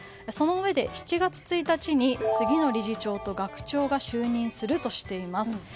そのうえで７月１日に次の理事長と学長が就任するとしています。